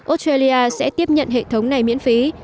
australia sẽ tiếp nhận hệ thống này miễn phí